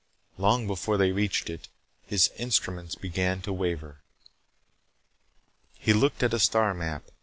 Long before they reached it, his instruments began to waver. He looked at a star map.